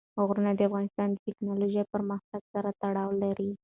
غرونه د افغانستان د تکنالوژۍ پرمختګ سره تړاو لري.